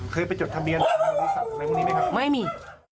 เคยไปจดทะเบียนอาวุธศัพท์แบบนี้ไหมครับไม่มี